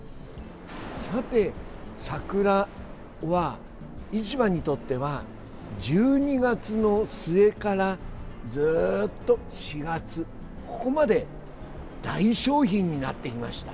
さて、桜は市場にとっては１２月の末からずっと４月、ここまで大商品になっていました。